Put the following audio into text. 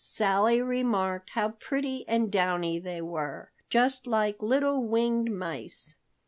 Sally remarked how pretty and downy they were, just like little winged mice.